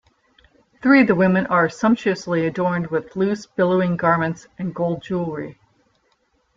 Three of the women are sumptuously adorned with loose, billowing garments and gold jewellery.